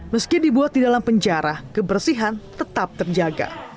meski dibuat di dalam penjara kebersihan tetap terjaga